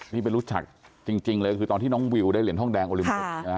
นี่ไปรู้จักจริงเลยคือตอนที่น้องวิวได้เหรียญทองแดงโอลิมปิก